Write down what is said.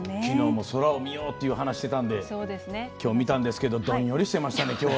きのうも空を見ようって話していたのできょう見たんですけどどんよりしてましたね。